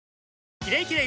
「キレイキレイ」